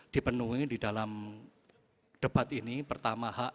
dipenuhi di dalam debat ini pertama hak